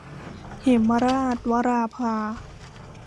เหมราช - วราภา